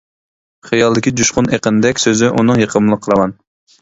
خىيالدىكى جۇشقۇن ئېقىندەك، سۆزى ئۇنىڭ يېقىملىق راۋان.